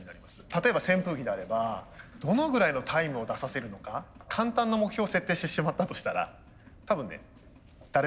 例えば扇風機であればどのぐらいのタイムを出させるのか簡単な目標を設定してしまったとしたら多分ね誰でもできちゃうわけですよ。